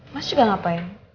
mas juga ngapain